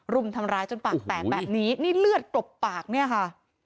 รุมทำร้ายจนปากแตกแบบนี้นี่เลือดกลบปากเนี่ยค่ะ